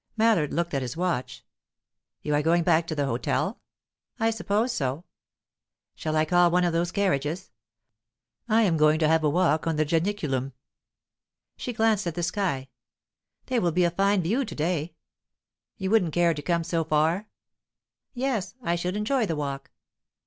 Mallard looked at his watch. "You are going back to the hotel?" "I suppose so." "Shall I call one of those carriages? I am going to have a walk on to the Janiculum." She glanced at the sky. "There will be a fine view to day." "You wouldn't care to come so far?" "Yes, I should enjoy the walk."